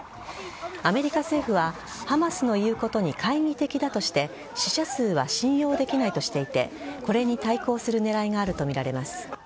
アメリカ政府はハマスの言うことに懐疑的だとして死者数は信用できないとしていてこれに対抗する狙いがあるとみられます。